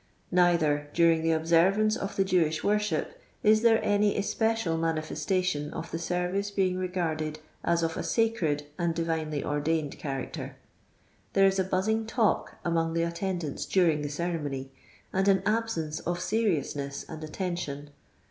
Neither, during the observance of the Jewish worship, is there any especial manifestation of the serAHcc being regarded as of a sacred and divinely orJuined ciiaracter. There is a buzzing talk among the uttendRnts during the ceremony, and an absence of seriousness and attention.